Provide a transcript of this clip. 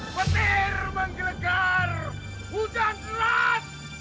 betir menggelegar hujan rat